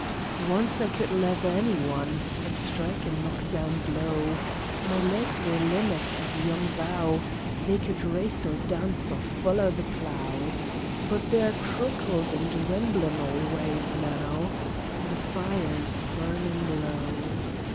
Once I could lether anyone An' strike a knock down blow: My legs were limmack as a young bough, They could race or dance or foller the plough; But they're crookled and wemblin' all waays now, An' the fire's burnin' low.